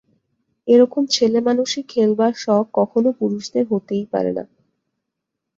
এ রকম ছেলেমানুষি খেলবার শখ কখনো পুরুষদের হতেই পারে না।